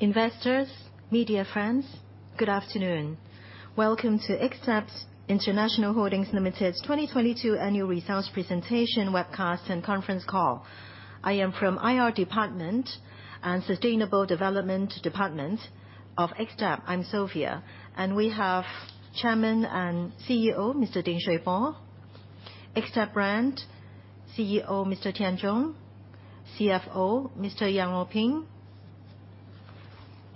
Investors, media friends, good afternoon. Welcome to Xtep International Holdings Limited's 2022 Annual Results Presentation Webcast and Conference Call. I am from IR Department and Sustainable Development Department of Xtep. I'm Sophia. We have Chairman and CEO, Mr. Ding Shui Po, Xtep Brand CEO, Mr. Tian Zhong, CFO, Mr. Yeung Lo Bun.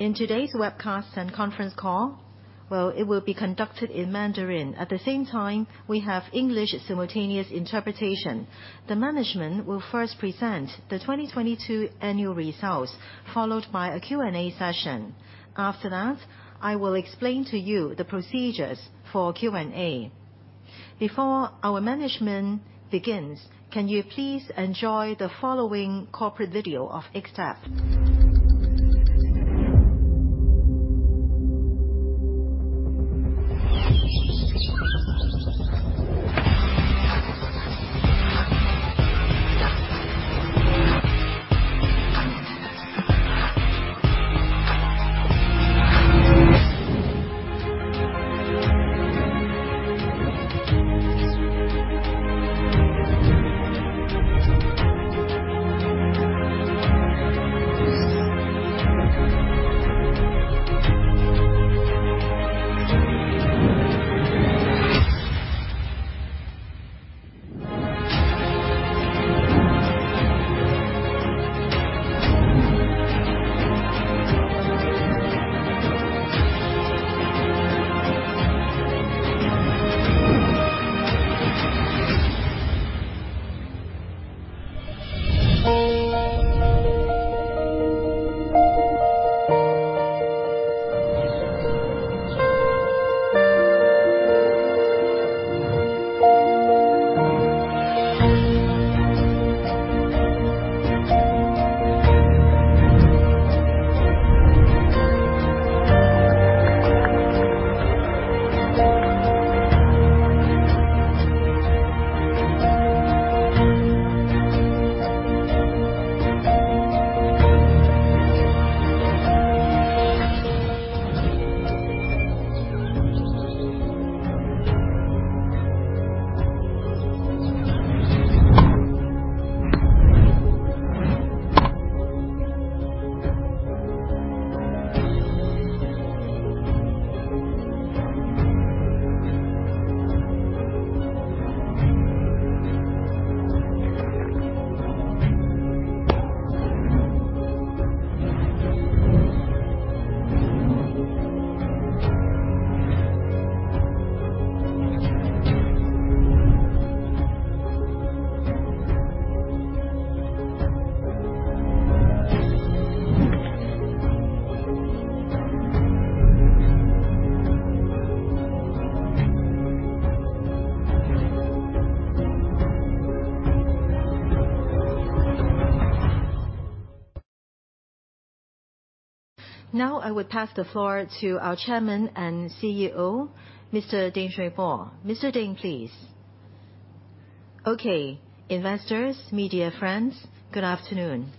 In today's webcast and conference call, well, it will be conducted in Mandarin. At the same time, we have English simultaneous interpretation. The management will first present the 2022 annual results, followed by a Q&A session. After that, I will explain to you the procedures for Q&A. Before our management begins, can you please enjoy the following corporate video of Xtep? I would pass the floor to our Chairman and CEO, Mr. Ding Shui Po. Mr. Ding, please. Okay. Investors, media friends, good afternoon.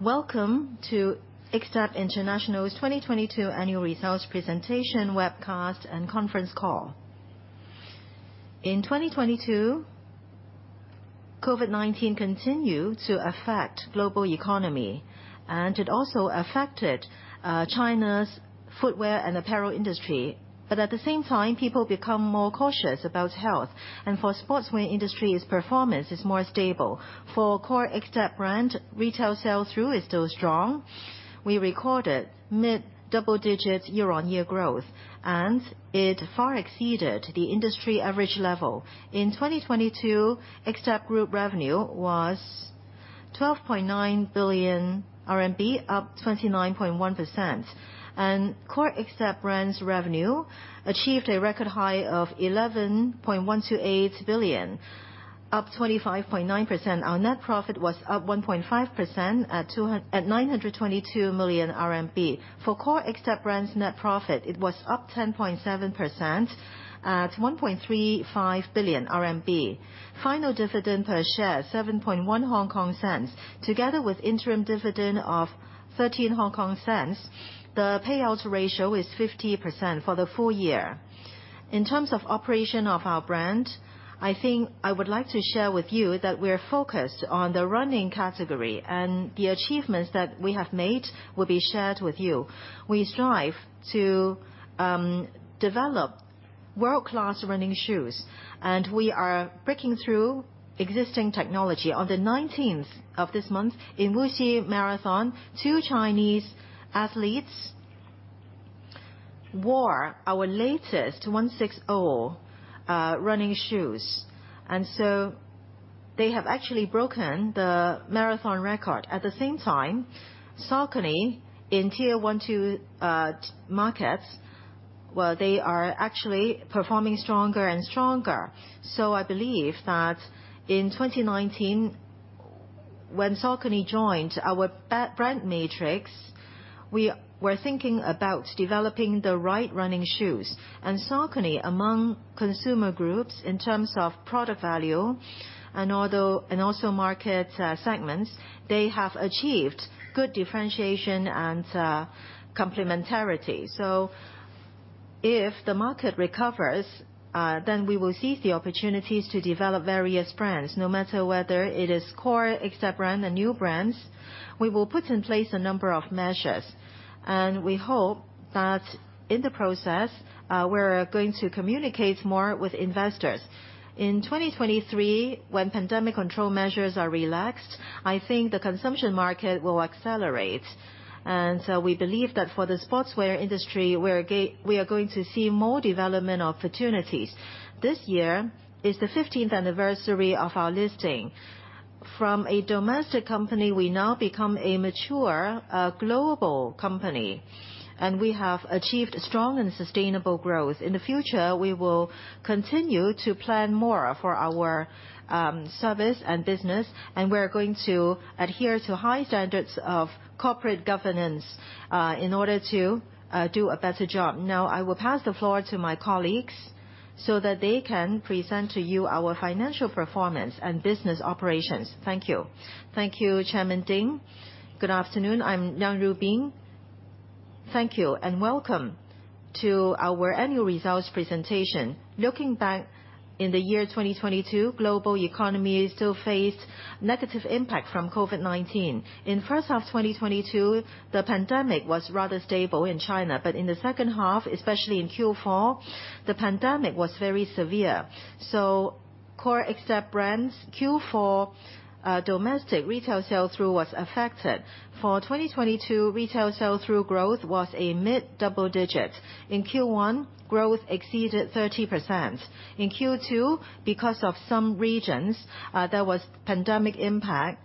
Welcome to Xtep International's 2022 Annual Results Presentation Webcast and Conference Call. In 2022, COVID-19 continued to affect global economy. It also affected China's footwear and apparel industry. At the same time, people become more cautious about health. For sportswear industry's performance is more stable. For core Xtep brand, retail sales through is still strong. We recorded mid-double-digit year-on-year growth. It far exceeded the industry average level. In 2022, Xtep Group revenue was 12.9 billion RMB, up 29.1%. Core Xtep brand's revenue achieved a record high of 11.128 billion, up 25.9%. Our net profit was up 1.5% at 922 million RMB. For core Xtep brand's net profit, it was up 10.7% at 1.35 billion RMB. Final dividend per share, 0.071, together with interim dividend of 0.13. The payout ratio is 50% for the full year. In terms of operation of our brand, I think I would like to share with you that we're focused on the running category, and the achievements that we have made will be shared with you. We strive to develop world-class running shoes, and we are breaking through existing technology. On the 19th of this month in Wuxi Marathon, two Chinese athletes wore our latest 160 running shoes. They have actually broken the marathon record. At the same time, Saucony Tier 1-2 markets, well, they are actually performing stronger and stronger. I believe that in 2019, when Saucony joined our brand matrix, we were thinking about developing the right running shoes. Saucony among consumer groups in terms of product value and also market segments, they have achieved good differentiation and complementarity. If the market recovers, we will seize the opportunities to develop various brands. No matter whether it is core Xtep brand and new brands, we will put in place a number of measures. We hope that in the process, we're going to communicate more with investors. In 2023, when pandemic control measures are relaxed, I think the consumption market will accelerate. We believe that for the sportswear industry, we are going to see more development opportunities. This year is the 15th anniversary of our listing. From a domestic company, we now become a mature global company, and we have achieved strong and sustainable growth. In the future, we will continue to plan more for our service and business, and we're going to adhere to high standards of corporate governance in order to do a better job. Now, I will pass the floor to my colleagues so that they can present to you our financial performance and business operations. Thank you. Thank you, Chairman Ding. Good afternoon. I'm Yeung Lo Bun. Thank you and welcome to our annual results presentation. Looking back in the year 2022, global economy still faced negative impact from COVID-19. In first half 2022, the pandemic was rather stable in China, but in the second half, especially in Q4, the pandemic was very severe. Core Xtep brands, Q4, domestic retail sell-through was affected. For 2022, retail sell-through growth was a mid-double digit. In Q1, growth exceeded 30%. In Q2, because of some regions, there was pandemic impact,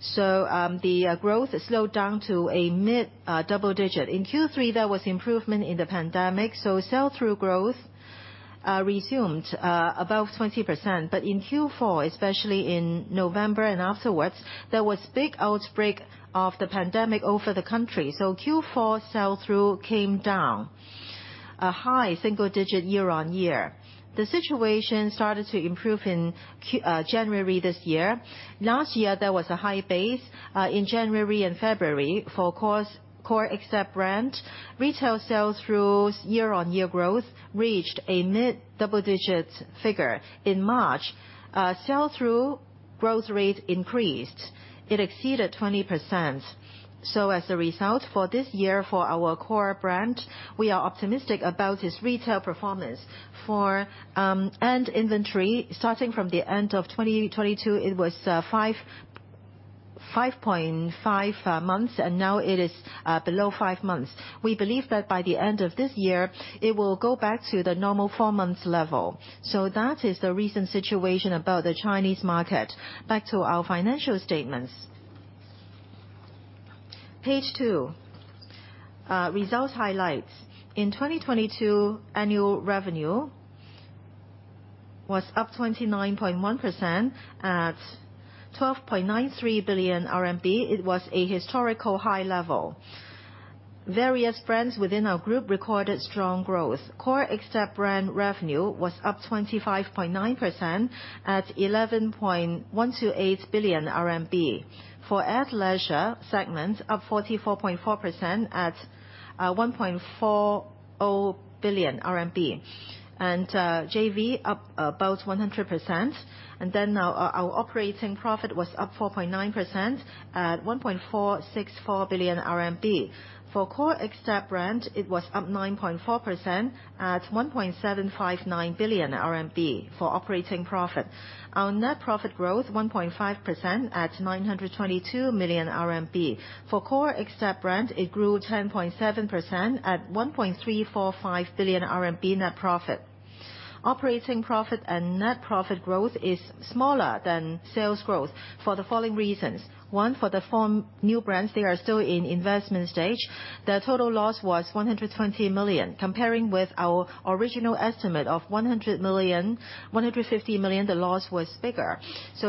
so the growth slowed down to a mid-double-digit. In Q3, there was improvement in the pandemic, so sell-through growth resumed above 20%. In Q4, especially in November and afterwards, there was big outbreak of the pandemic over the country, so Q4 sell-through came down a high single-digit year-on-year. The situation started to improve in January this year. Last year, there was a high base in January and February for core Xtep brand. Retail sell-throughs year-on-year growth reached a mid-double-digit figure. In March, sell-through growth rate increased. It exceeded 20%. As a result, for this year, for our core brand, we are optimistic about its retail performance. For end inventory, starting from the end of 2022, it was 5.5 months, and now it is below 5 months. We believe that by the end of this year, it will go back to the normal 4-month level. That is the recent situation about the Chinese market. Back to our financial statements. Page 2, results highlights. In 2022, annual revenue was up 29.1% at 12.93 billion RMB. It was a historical high level. Various brands within our group recorded strong growth. Core Xtep brand revenue was up 25.9% at 11.128 billion RMB. For athleisure segment, up 44.4% at 1.40 billion RMB. JV up about 100%. Our operating profit was up 4.9% at 1.464 billion RMB. For core Xtep brand, it was up 9.4% at 1.759 billion RMB for operating profit. Our net profit growth, 1.5% at 922 million RMB. For core Xtep brand, it grew 10.7% at 1.345 billion RMB net profit. Operating profit and net profit growth is smaller than sales growth for the following reasons. One, for the form new brands, they are still in investment stage. The total loss was 120 million. Comparing with our original estimate of 100 million-150 million, the loss was bigger.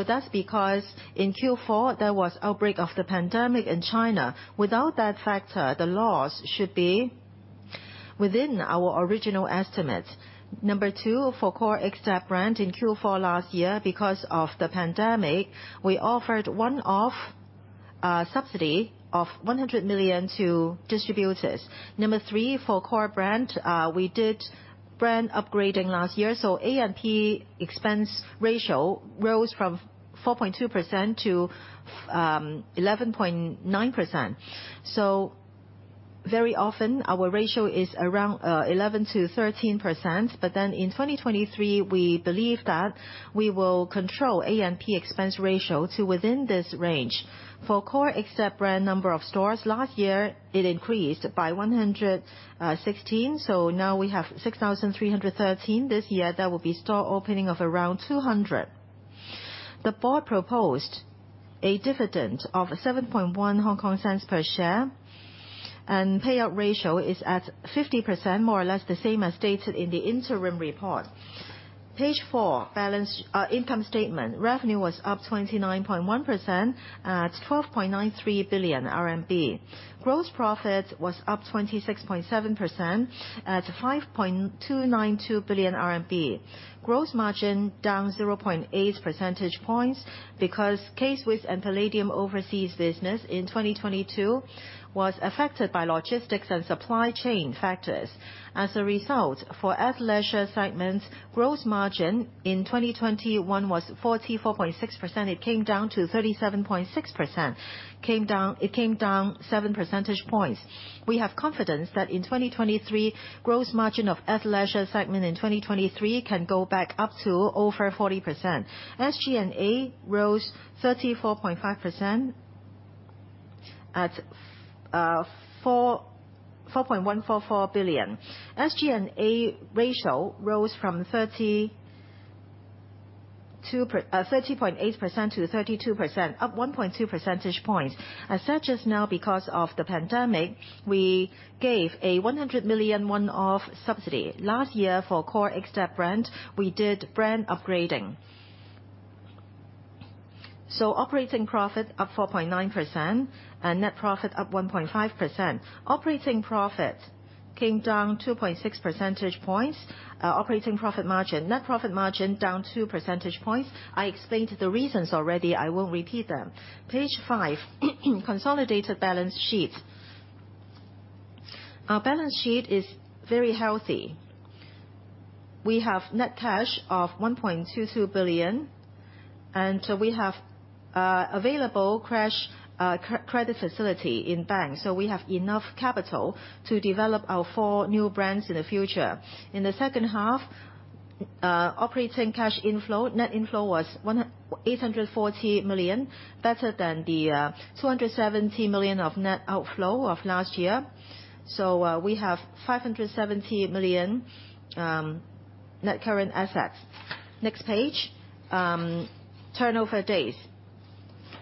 That's because in Q4, there was outbreak of the pandemic in China. Without that factor, the loss should be within our original estimate. Number two, for core Xtep brand in Q4 last year, because of the pandemic, we offered one-off subsidy of 100 million to distributors. Number three, for core brand, we did brand upgrading last year, A&P expense ratio rose from 4.2% to 11.9%. Very often, our ratio is around 11% to 13%. In 2023, we believe that we will control A&P expense ratio to within this range. For core Xtep brand number of stores, last year, it increased by 116. Now we have 6,313. This year, there will be store opening of around 200. The board proposed a dividend of 0.071 per share. Payout ratio is at 50%, more or less the same as stated in the interim report. Page 4, balance, income statement. Revenue was up 29.1%, at 12.93 billion RMB. Gross profit was up 26.7% at 5.292 billion RMB. Gross margin down 0.8 percentage points because K-Swiss and Palladium overseas business in 2022 was affected by logistics and supply chain factors. As a result, for athleisure segments, gross margin in 2021 was 44.6%. It came down to 37.6%. It came down 7 percentage points. We have confidence that in 2023, gross margin of athleisure segment in 2023 can go back up to over 40%. SG&A rose 34.5% at 4.144 billion. SG&A ratio rose from 30.8% to 32%, up 1.2 percentage points. I said just now because of the pandemic, we gave a 100 million one-off subsidy. Last year for Core Xtep brand, we did brand upgrading. Operating profit up 4.9% and net profit up 1.5%. Operating profit came down 2.6 percentage points. Operating profit margin. Net profit margin down 2 percentage points. I explained the reasons already. I won't repeat them. Page 5, consolidated balance sheet. Our balance sheet is very healthy. We have net cash of 1.22 billion, and we have available credit facility in bank. We have enough capital to develop our four new brands in the future. In the second half, operating cash inflow, net inflow was 840 million, better than the 270 million of net outflow of last year. We have 570 million net current assets. Next page, turnover days.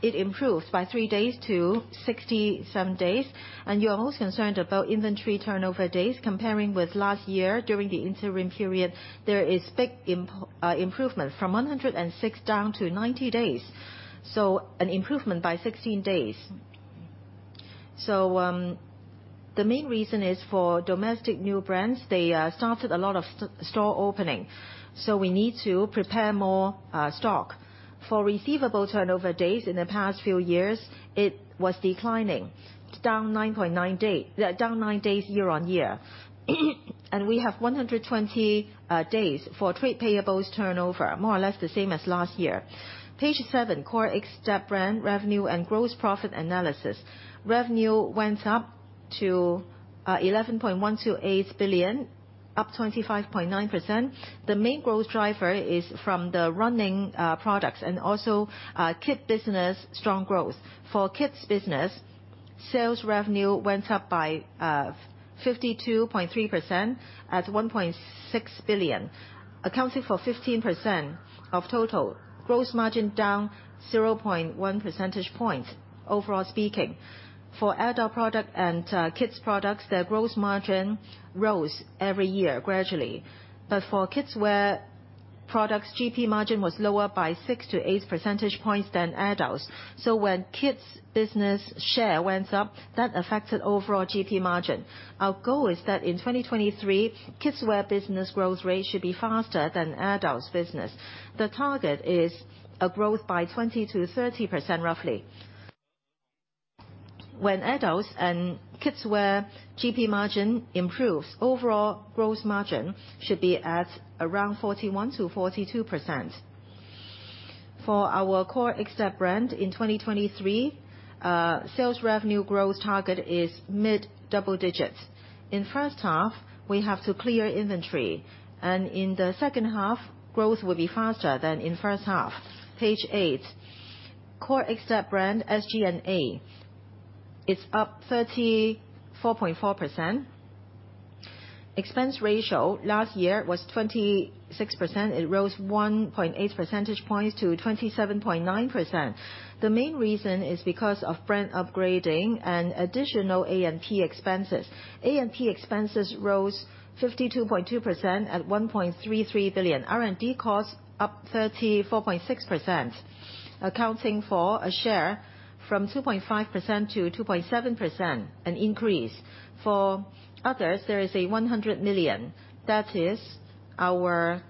It improves by three days to 67 days. You are most concerned about inventory turnover days comparing with last year during the interim period, there is big improvement from 106 down to 90 days. An improvement by 16 days. The main reason is for domestic new brands, they started a lot of store opening. We need to prepare more stock. For receivable turnover days in the past few years, it was declining, down 9 days year-over-year. We have 120 days for trade payables turnover, more or less the same as last year. Page 7, Core Xtep brand revenue and gross profit analysis. Revenue went up to 11.128 billion, up 25.9%. The main growth driver is from the running products and also kid business strong growth. For kids business, sales revenue went up by 52.3% at 1.6 billion, accounting for 15% of total. Gross margin down 0.1 percentage points overall speaking. For adult product and kids products, their gross margin rose every year gradually. For kids wear products, GP margin was lower by 6-8 percentage points than adults. When kids business share went up, that affected overall GP margin. Our goal is that in 2023, kids wear business growth rate should be faster than adults business. The target is a growth by 20%-30%, roughly. When adults and kids wear GP margin improves, overall gross margin should be at around 41%-42%. For our Xtep brand in 2023, sales revenue growth target is mid-double digits. In first half, we have to clear inventory, and in the second half, growth will be faster than in first half. Page 8, core Xtep brand SG&A is up 34.4%. Expense ratio last year was 26%. It rose 1.8 percentage points to 27.9%. The main reason is because of brand upgrading and additional A&P expenses. A&P expenses rose 52.2% at 1.33 billion. R&D costs up 34.6%, accounting for a share from 2.5%-2.7%, an increase. For others, there is 100 million. That is our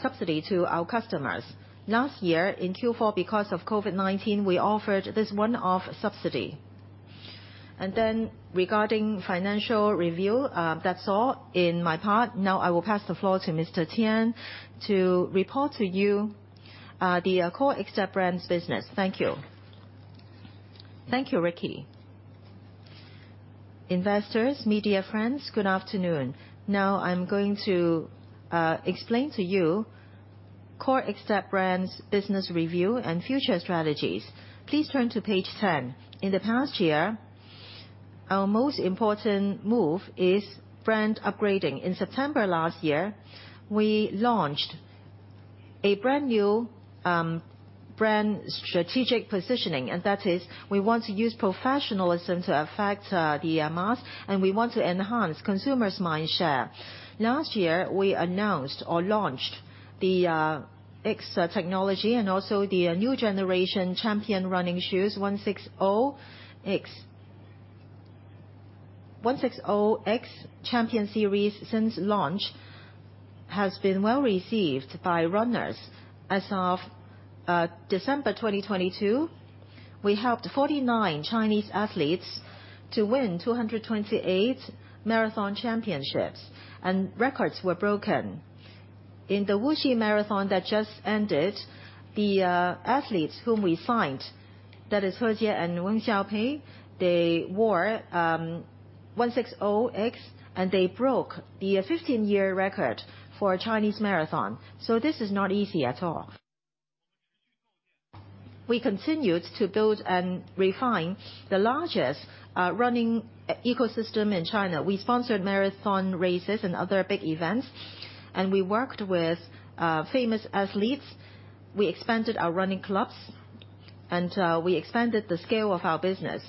subsidy to our customers. Last year in Q4 because of COVID-19, we offered this one-off subsidy. Regarding financial review, that's all in my part. Now, I will pass the floor to Mr. Tian to report to you the Core Xtep brand's business. Thank you. Thank you, Ricky. Investors, media friends, good afternoon. Now I'm going to explain to you core Xtep brand's business review and future strategies. Please turn to page 10. In the past year, our most important move is brand upgrading. In September last year, we launched a brand new brand strategic positioning, that is we want to use professionalism to affect the mass, we want to enhance consumers' mind share. Last year, we announced or launched the X technology and also the new generation champion running shoes, 160X. 160X Champion Series since launch has been well-received by runners. As of December 2022, we helped 49 Chinese athletes to win 228 marathon championships, records were broken. In the Wuxi Marathon that just ended, the athletes whom we signed, that is He Jie and Yang Shaohui, they wore 160X, they broke the 15-year record for Chinese marathon. This is not easy at all. We continued to build and refine the largest running ecosystem in China. We sponsored marathon races and other big events, and we worked with famous athletes. We expanded our running clubs, and we expanded the scale of our business.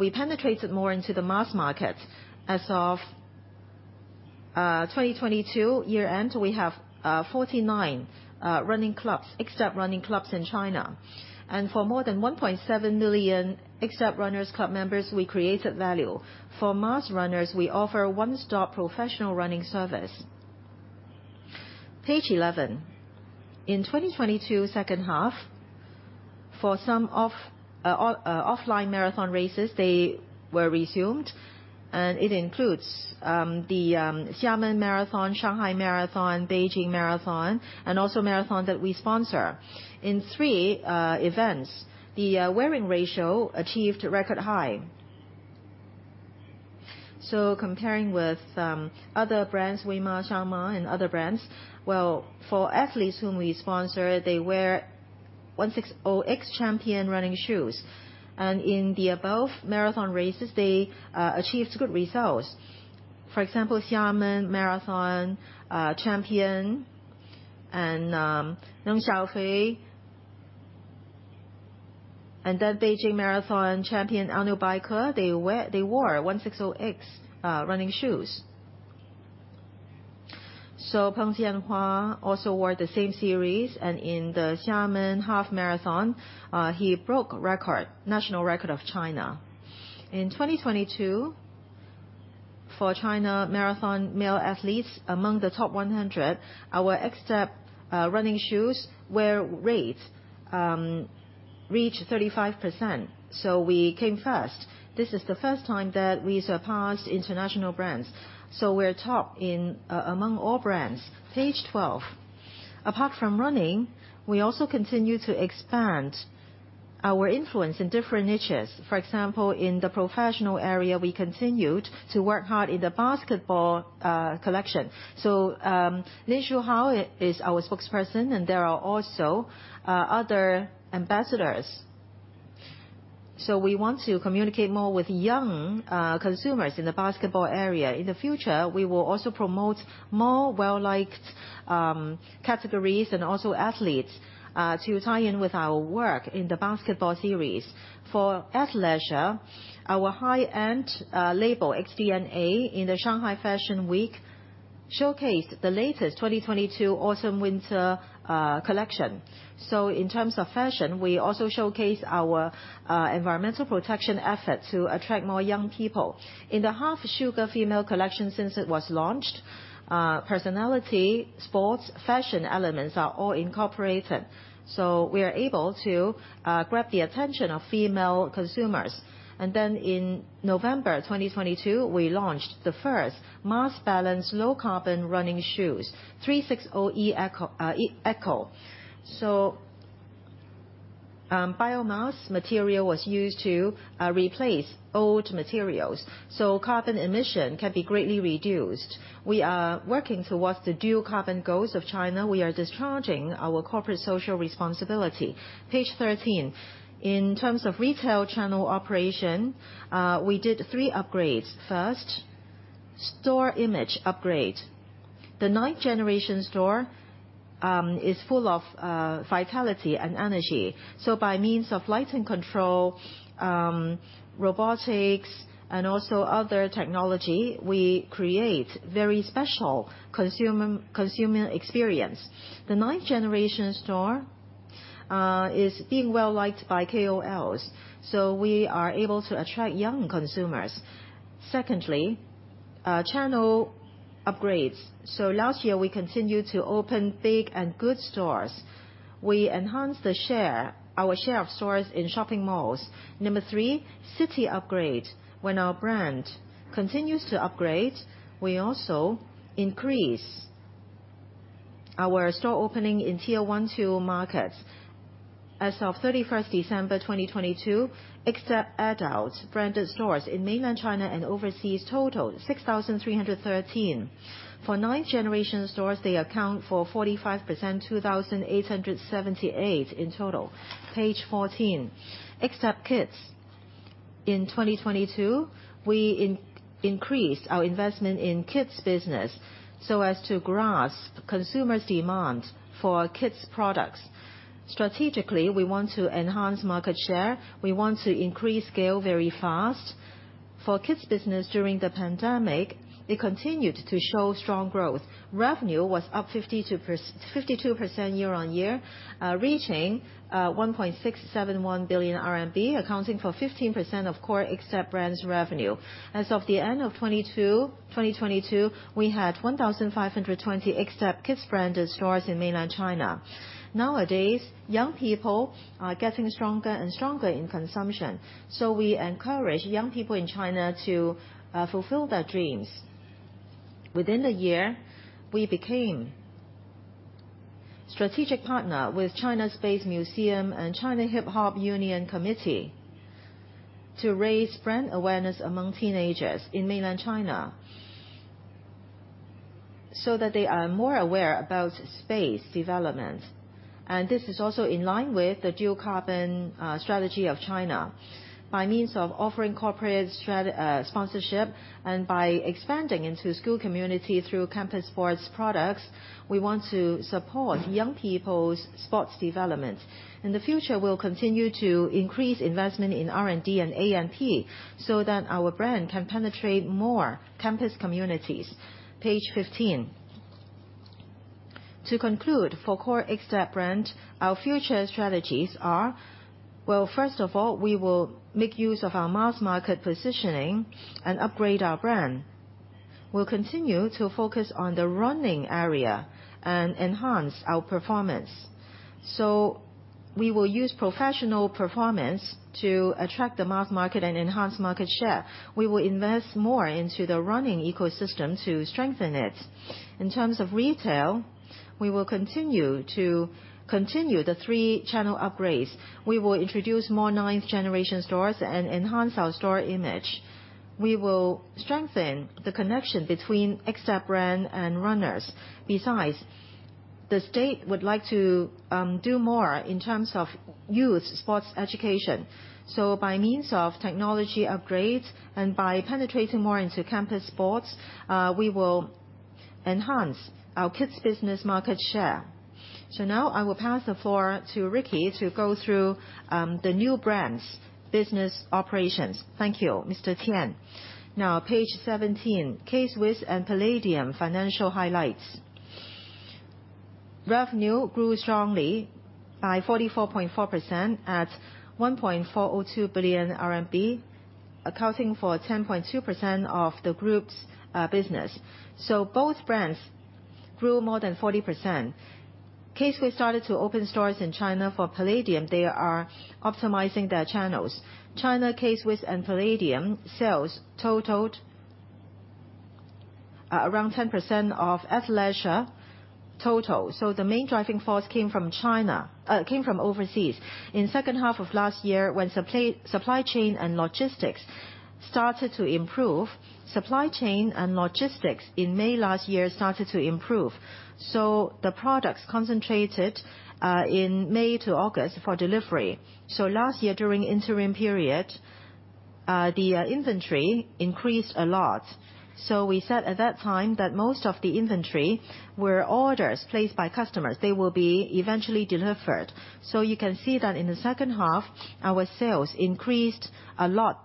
We penetrated more into the mass market. As of 2022 year-end, we have 49 Xtep running clubs in China. For more than 1.7 million Xtep Runners Club members, we created value. For mass runners, we offer one-stop professional running service. Page 11. In 2022 second half, for some offline marathon races, they were resumed. It includes the Xiamen Marathon, Shanghai Marathon, Beijing Marathon, and also marathon that we sponsor. In 3 events, the wearing ratio achieved record high. Comparing with other brands, [Weima], Xiamen, and other brands, well, for athletes whom we sponsor, they wear 160X Champion running shoes. In the above marathon races, they achieved good results. For example, Xiamen Marathon champion and Yang Shaohui. Beijing Marathon champion Anubaike, they wore 160X running shoes. Peng Jianhua also wore the same series. In the Xiamen Half Marathon, he broke record, national record of China. In 2022, for China marathon male athletes, among the top 100, our Xtep running shoes wear rate reached 35%, so we came first. This is the first time that we surpassed international brands. We're top among all brands. Page 12. Apart from running, we also continue to expand our influence in different niches. For example, in the professional area, we continued to work hard in the basketball collection. Lin Shuhao is our spokesperson, and there are also other ambassadors. We want to communicate more with young consumers in the basketball area. In the future, we will also promote more well-liked categories and also athletes to tie in with our work in the basketball series. For athleisure, our high-end label XDNA in the Shanghai Fashion Week showcased the latest 2022 Autumn Winter collection. In terms of fashion, we also showcase our environmental protection effort to attract more young people. In the Half Sugar female collection since it was launched, personality, sports, fashion elements are all incorporated. We are able to grab the attention of female consumers. In November 2022, we launched the first Mass Balance low-carbon running shoes, 360-ECO. Biomass material was used to replace old materials, so carbon emission can be greatly reduced. We are working towards the dual carbon goals of China. We are discharging our corporate social responsibility. Page 13. In terms of retail channel operation, we did 3 upgrades. First, store image upgrade. The ninth-generation store is full of vitality and energy. By means of lighting control, robotics, and also other technology, we create very special consumer experience. The ninth-generation store is being well-liked by KOLs, so we are able to attract young consumers. Secondly, channel upgrades. Last year, we continued to open big and good stores. We enhanced the share, our share of stores in shopping malls. Number 3, city upgrade. When our brand continues to upgrade, we also increase our store opening in Tier 1-2 markets. As of 31st December 2022, Xtep adults branded stores in Mainland China and overseas totaled 6,313. For ninth-generation stores, they account for 45%, 2,878 in total. Page 14. Xtep Kids. In 2022, we increased our investment in kids business so as to grasp consumers' demand for kids products. Strategically, we want to enhance market share. We want to increase scale very fast. For kids business during the pandemic, it continued to show strong growth. Revenue was up 52% YoY, reaching 1.671 billion RMB, accounting for 15% of core Xtep brand's revenue. As of the end of 2022, we had 1,520 Xtep kids branded stores in Mainland China. Nowadays, young people are getting stronger and stronger in consumption. We encourage young people in China to fulfill their dreams. Within the year, we became strategic partner with China Space Museum and China Hip-Hop Union Committee to raise brand awareness among teenagers in Mainland China, so that they are more aware about space development. This is also in line with the dual carbon strategy of China. By means of offering corporate sponsorship and by expanding into school community through campus sports products, we want to support young people's sports development. In the future, we'll continue to increase investment in R&D and A&P so that our brand can penetrate more campus communities. Page 15. To conclude for core Xtep brand, our future strategies are, well, first of all, we will make use of our mass market positioning and upgrade our brand. We'll continue to focus on the running area and enhance our performance. We will use professional performance to attract the mass market and enhance market share. We will invest more into the running ecosystem to strengthen it. In terms of retail, we will continue the three channel upgrades. We will introduce more ninth-generation stores and enhance our store image. We will strengthen the connection between Xtep brand and runners. Besides, the state would like to do more in terms of youth sports education. By means of technology upgrades and by penetrating more into campus sports, we will enhance our kids business market share. Now I will pass the floor to Ricky to go through the new brand's business operations. Thank you. Mr. Tian. Now page 17, K-Swiss and Palladium financial highlights. Revenue grew strongly by 44.4% at 1.402 billion RMB, accounting for 10.2% of the group's business. Both brands grew more than 40%. K-Swiss started to open stores in China. For Palladium, they are optimizing their channels. China K-Swiss and Palladium sales totaled around 10% of athleisure total. The main driving force came from overseas. In second half of last year when supply chain and logistics started to improve, supply chain and logistics in May last year started to improve. The products concentrated in May to August for delivery. Last year during interim period, the inventory increased a lot. We said at that time that most of the inventory were orders placed by customers. They will be eventually delivered. You can see that in the second half, our sales increased a lot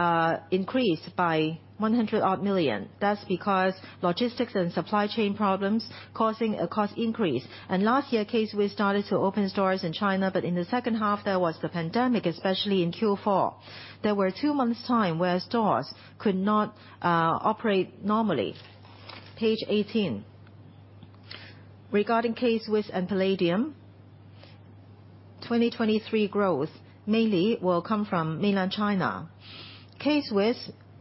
by more than 50%. Gross profit up 21.9% at RMB 527 million. That is because gross margin came down 7 percentage points. The reason for the decline is mainly because of supply chain and logistic problems, so there was more inventory. Operating loss increased by RMB 100 odd million. That's because logistics and supply chain problems causing a cost increase. Last year, K-Swiss started to open stores in China, but in the second half, there was the pandemic, especially in Q4. There were 2 months' time where stores could not operate normally. Page 18. Regarding K-Swiss and Palladium, 2023 growth mainly will come from Mainland China. K-Swiss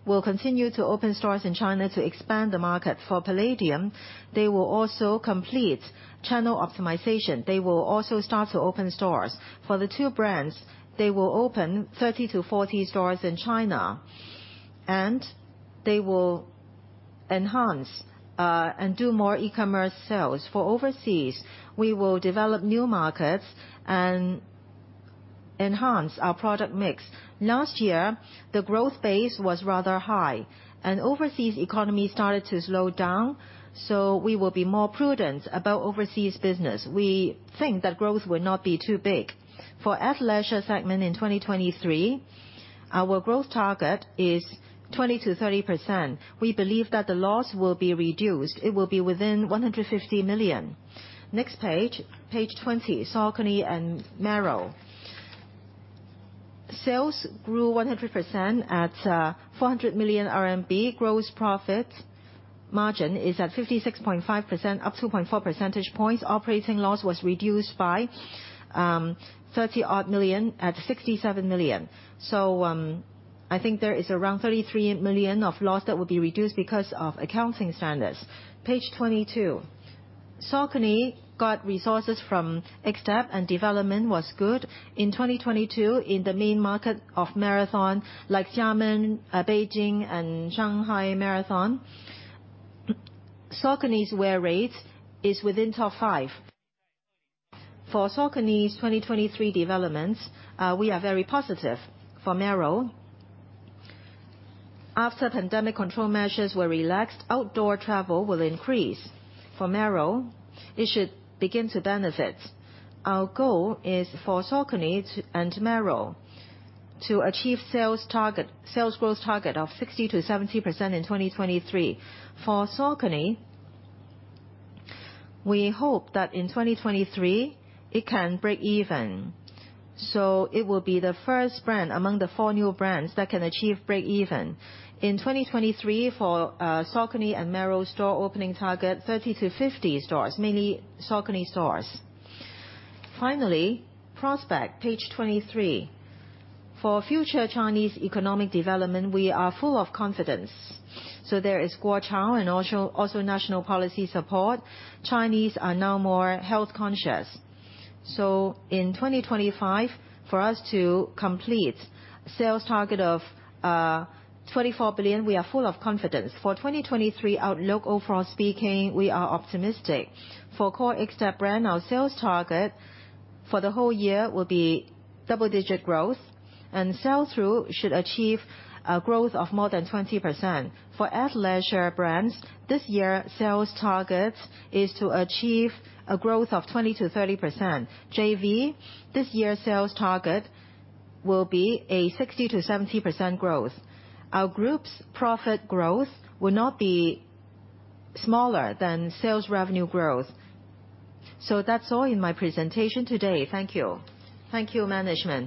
will continue to open stores in China to expand the market. Palladium, they will also complete channel optimization. They will also start to open stores. For the two brands, they will open 30-40 stores in China, and they will enhance and do more e-commerce sales. For overseas, we will develop new markets and enhance our product mix. Last year, the growth base was rather high, and overseas economy started to slow down, so we will be more prudent about overseas business. We think that growth will not be too big. For athleisure segment in 2023, our growth target is 20%-30%. We believe that the loss will be reduced. It will be within 150 million. Next page 20, Saucony and Merrell. Sales grew 100% at 400 million RMB. Gross profit margin is at 56.5%, up 2.4 percentage points. Operating loss was reduced by 30 odd million at 67 million. I think there is around 33 million of loss that will be reduced because of accounting standards. Page 22. Saucony got resources from Xtep and development was good. In 2022, in the main market of marathon, like Xiamen, Beijing and Shanghai Marathon, Saucony's wear rates is within top 5. For Saucony's 2023 developments, we are very positive. For Merrell, after pandemic control measures were relaxed, outdoor travel will increase. For Merrell, it should begin to benefit. Our goal is for Saucony and Merrell to achieve sales growth target of 60%-70% in 2023. For Saucony, we hope that in 2023, it can break even. It will be the first brand among the 4 new brands that can achieve break even. In 2023, for Saucony and Merrell store opening target 30-50 stores, mainly Saucony stores. Finally, prospect, page 23. For future Chinese economic development, we are full of confidence. There is Guochao and also national policy support. Chinese are now more health conscious. In 2025, for us to complete sales target of 24 billion, we are full of confidence. For 2023 outlook, overall speaking, we are optimistic. For core Xtep brand, our sales target for the whole year will be double-digit growth and sell-through should achieve a growth of more than 20%. For athleisure brands, this year sales targets is to achieve a growth of 20%-30%. JV, this year sales target will be a 60%-70% growth. Our group's profit growth will not be smaller than sales revenue growth. That's all in my presentation today. Thank you. Thank you, management.